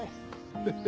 フフ。